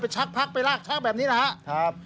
ไปชากพักไปลากชากแบบนี้นะฮะ